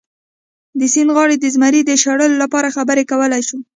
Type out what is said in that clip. د سیند غاړې د زمري د شړلو لپاره خبرې کولی شو.